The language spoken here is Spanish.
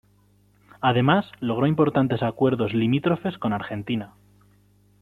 Además, logró importantes acuerdos limítrofes con Argentina.